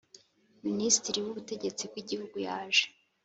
Minisitiri w Ubutegetsi bwigihugu yaje